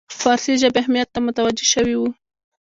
فارسي ژبې اهمیت ته متوجه شوی وو.